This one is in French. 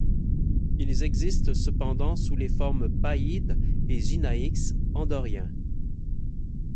Ils existent cependant sous les formes παίδες et γυναίκες, en dorien.